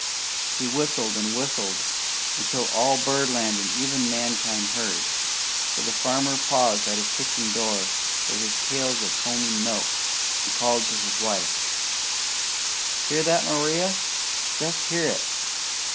He whistled and whistled until all birdland and even mankind heard, for the farmer paused at his kitchen door, with his pails of foaming milk, and called to his wife: "Hear that, Maria! Jest hear it!